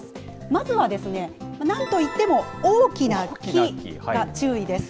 まずはなんといっても大きな木が注意です。